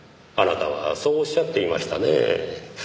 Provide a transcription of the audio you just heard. あなたはそうおっしゃっていましたねぇ。